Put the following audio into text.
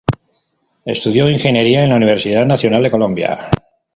Estudió ingeniería en la Universidad Nacional de Colombia.